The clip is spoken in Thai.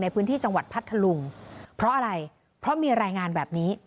ในพื้นที่จังหวัดพัทธลุงเพราะอะไรเพราะมีรายงานแบบนี้